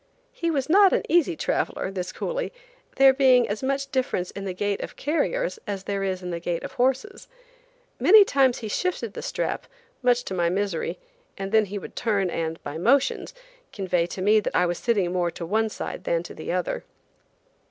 He was not an easy traveler, this coolie, there being as much difference in the gait of carriers as there is in the gait of horses. Many times he shifted the strap, much to my misery, and then he would turn and, by motions, convey to me that I was sitting more to one side than to the other.